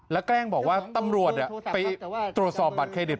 แล้วแกล้งบอกว่าตำรวจไปตรวจสอบบัตรเครดิต